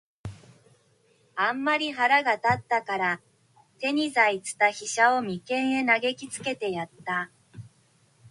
あんまり腹が立つたから、手に在つた飛車を眉間へ擲きつけてやつた。